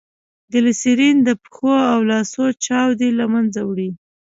ګلیسرین دپښو او لاسو چاودي له منځه وړي.